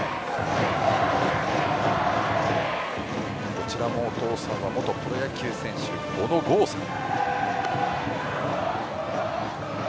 こちらもお父さんは元プロ野球選手小野剛さん。